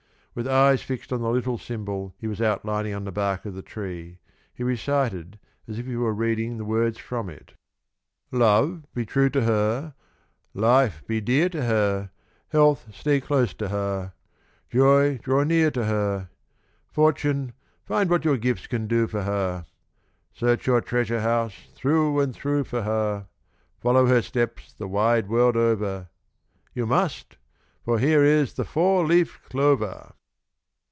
With eyes fixed on the little symbol he was outlining on the bark of the tree, he recited as if he were reading the words from it: "Love, be true to her; Life, be dear to her; Health, stay close to her; Joy, draw near to her; Fortune, find what your gifts Can do for her. Search your treasure house Through and through for her. Follow her steps The wide world over; You must! for here is The four leaved clover."